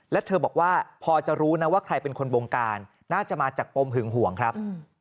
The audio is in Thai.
แล้วเธอบอกว่าพอจะรู้นะว่าใครเป็นคนบงการน่าจะมาจากปมหึงห่วงครับ